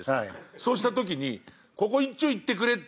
そうした時にここいっちょいってくれって。